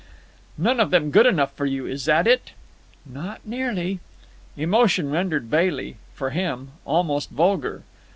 "None of them good enough for you, is that it?" "Not nearly." Emotion rendered Bailey—for him—almost vulgar.